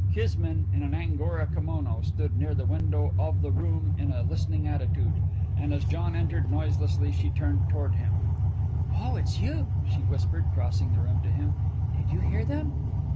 Kismine, in an angora kimono, stood near the window of the room in a listening attitude, and as John entered noiselessly she turned toward him. "Oh, it's you!" she whispered, crossing the room to him. "Did you hear them?"